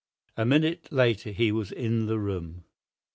A minute later he was in the room.